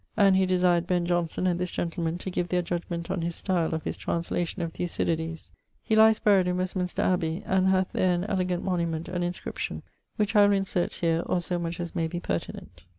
And he desired Ben: Johnson, and this gentleman, to give their judgement on his style of his translation of Thucydides.He lyes buryd in Westminster Abbey, and hath there an elegant monument and inscription, which I will insert here or so much as may be pertinent.